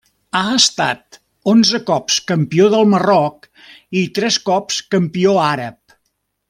Ha estat onze cops Campió del Marroc, i tres cops Campió àrab.